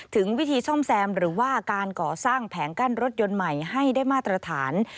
ถึงวิธีซ่อมแซมหรือว่าการก่อสร้างแผงกั้นรถยนต์ใหม่ให้ได้มาตรฐาน